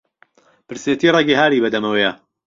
برسێتی ڕهگی هاری بهدهمهوهیه